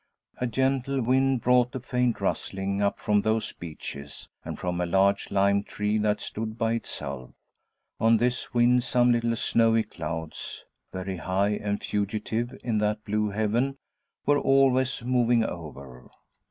A gentle wind brought a faint rustling up from those beeches, and from a large lime tree that stood by itself; on this wind some little snowy clouds, very high and fugitive in that blue heaven, were always moving over.